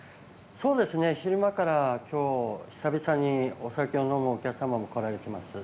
昼間から久々にお酒を飲むお客様も来られています。